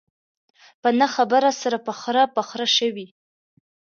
په نه خبره سره خره په خره شوي.